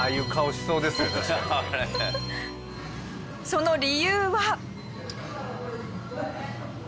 その理由は。